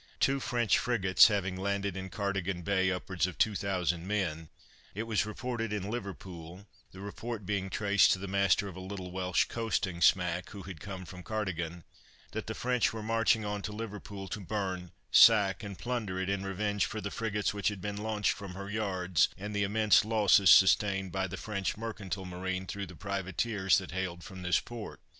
Two French frigates having landed in Cardigan Bay upwards of 2,000 men, it was reported in Liverpool (the report being traced to the master of a little Welsh coasting smack, who had come from Cardigan) that the French were marching on to Liverpool to burn, sack and plunder it, in revenge for the frigates which had been launched from her yards, and the immense losses sustained by the French mercantile marine through the privateers that hailed from this port.